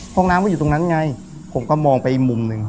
ห้องน้ำก็อยู่ตรงนั้นไงผมก็มองไปอีกมุมหนึ่ง